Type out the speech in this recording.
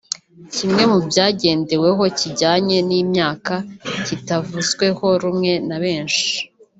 Kimwe mu byagendeweho kijyanye n’imyaka kitavuzweho rumwe na benshi